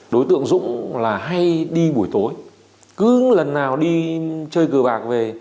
đối tượng dũng là hay đi buổi tối cứ lần nào đi chơi cờ bạc về